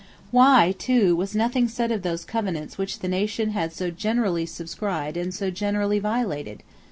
Why, too, was nothing said of those Covenants which the nation had so generally subscribed and so generally violated?